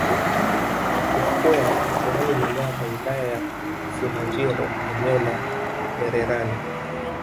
Isipokuwa Mkoani Manyara Wilaya ya Simanjiro eneo la Mererani